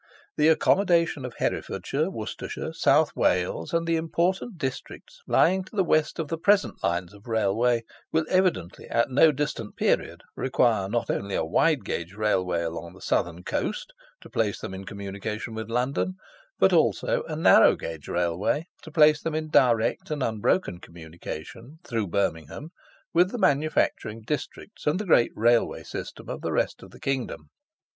The accommodation of Herefordshire, Worcestershire, South Wales, and the important districts lying to the west of the present lines of Railway, will evidently, at no distant period, require not only a wide gauge Railway along the Southern coast, to place them in communication with London, but also a narrow gauge Railway to place them in direct and unbroken communication, through Birmingham, with the manufacturing districts and the great Railway system of the rest of the kingdom.